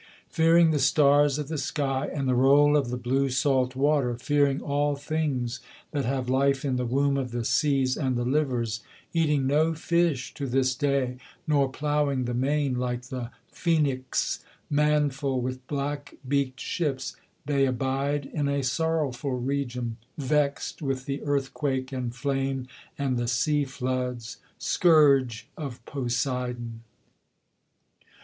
Fearing the stars of the sky, and the roll of the blue salt water, Fearing all things that have life in the womb of the seas and the livers, Eating no fish to this day, nor ploughing the main, like the Phoenics, Manful with black beaked ships, they abide in a sorrowful region, Vexed with the earthquake, and flame, and the sea floods, scourge of Poseidon.